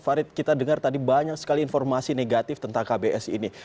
farid kita dengar tadi banyak sekali informasi negatif tentang kbs ini